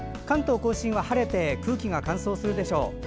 関東・甲信は晴れて空気が乾燥するでしょう。